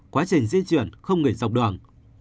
quá trình di chuyển không nghỉ dọc đoạn